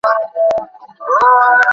অক্ষয় কহিলেন, সে কিছুই শক্ত নয়।